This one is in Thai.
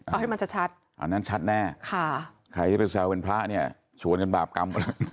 เอาให้มันจะชัดอันนั้นชัดแน่ค่ะใครจะไปแซวเป็นพระเนี่ยชวนกันบาปกรรม